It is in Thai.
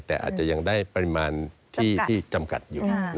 แต่อาจจะยังได้ปริมาณที่จำกัดอยู่